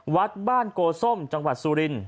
วัดบ้านโกส้มจังหวัดสุริน